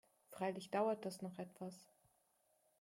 Freilich dauerte das noch etwas.